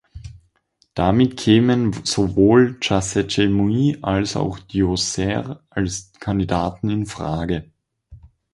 Damit kämen sowohl Chasechemui als auch Djoser als Kandidaten in Frage.